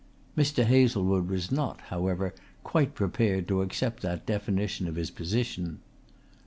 Mr. Hazlewood was not, however, quite prepared to accept that definition of his position.